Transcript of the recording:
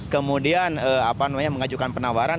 kemudian mengajukan penawaran